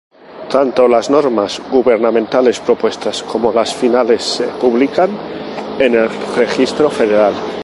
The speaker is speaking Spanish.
Tanto las normas gubernamentales propuestas como las finales se publican en el Registro Federal.